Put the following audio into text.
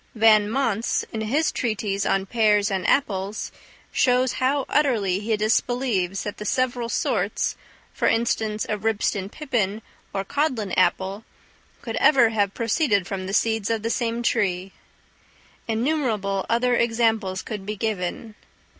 Van Mons, in his treatise on pears and apples, shows how utterly he disbelieves that the several sorts, for instance a Ribston pippin or Codlin apple, could ever have proceeded from the seeds of the same tree. Innumerable other examples could be given.